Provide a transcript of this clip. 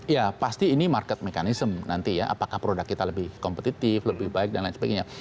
ya pasti ini market mechanism nanti ya apakah produk kita lebih kompetitif lebih baik dan lain sebagainya